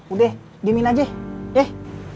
udah diamin aja deh